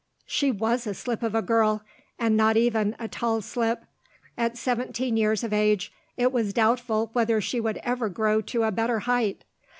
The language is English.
She was a slip of a girl and not even a tall slip. At seventeen years of age, it was doubtful whether she would ever grow to a better height.